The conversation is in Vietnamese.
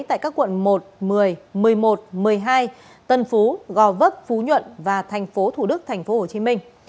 tại các quận một một mươi một mươi một một mươi hai tân phú gò vấp phú nhuận và thành phố thủ đức thành phố hồ chí minh